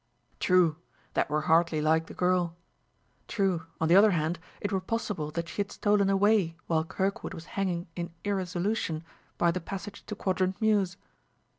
True, that were hardly like the girl. True, on the other hand, it were possible that she had stolen away while Kirkwood was hanging in irresolution by the passage to Quadrant Mews.